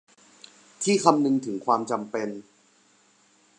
ที่คำนึงถึงความจำเป็น